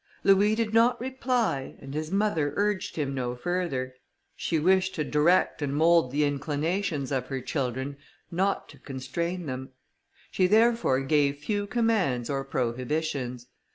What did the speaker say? Louis did not reply, and his mother urged him no further; she wished to direct and mould the inclinations of her children, not to constrain them; she therefore gave few commands or prohibitions.